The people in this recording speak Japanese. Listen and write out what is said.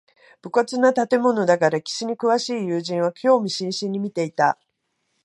無骨な建物だが歴史に詳しい友人は興味津々に見ていた